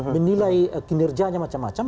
menilai kinerjanya macam macam